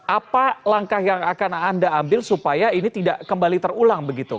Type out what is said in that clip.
apa langkah yang akan anda ambil supaya ini tidak kembali terulang begitu